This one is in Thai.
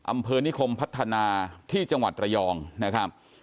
อำเภอนิคมพัฒนาที่จังหวัดระยองนะครับ